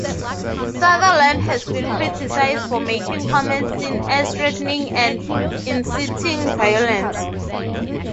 Sutherland has been criticized for making comments seen as threatening and inciting violence.